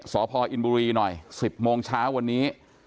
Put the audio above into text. สพอินบุรีหน่อย๑๐โมงเช้าวันนี้